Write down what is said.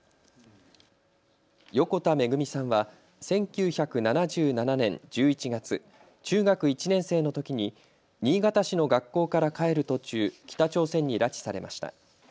横田めぐみさんは１９７７年１１月、中学１年生のときに新潟市の学校から帰る途中、北朝鮮に拉致されました。